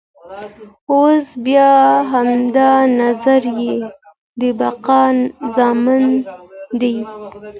اوس بیا همدا نظریه د بقا ضامن دی.